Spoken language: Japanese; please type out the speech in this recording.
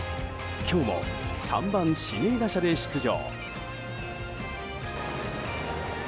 今日も３番、指名打者で出場。